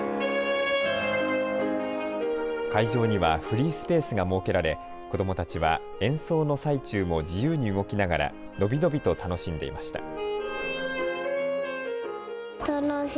会場にはフリースペースが設けられ、子どもたちは演奏の最中も自由に動きながら伸び伸びと楽しんでいました。